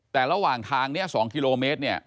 แต่ระหว่างทางนี้๒กิโลเมตรเนี่ย